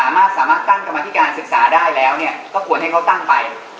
สามารถตั้งกรรมธิการศึกษาได้แล้วก็ควรให้เขาตั้งไป